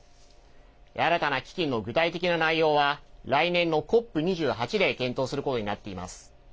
新たな基金の具体的な内容は来年のＣＯＰ２８で検討することになっています。